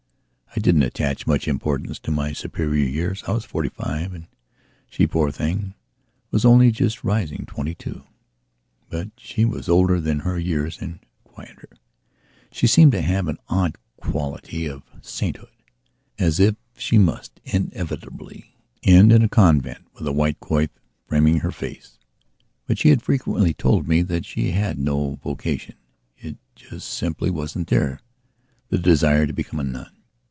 I didn't attach much importance to my superior years. I was forty five, and she, poor thing, was only just rising twenty two. But she was older than her years and quieter. She seemed to have an odd quality of sainthood, as if she must inevitably end in a convent with a white coif framing her face. But she had frequently told me that she had no vocation; it just simply wasn't therethe desire to become a nun.